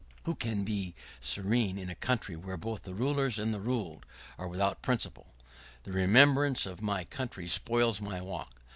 Who can be serene in a country where both the rulers and the ruled are without principle? The remembrance of my country spoils my walk.